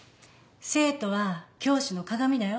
生徒は教師の鏡だよ。